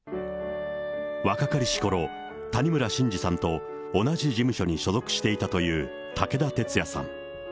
若かりしころ、谷村新司さんと同じ事務所に所属していたという武田鉄矢さん。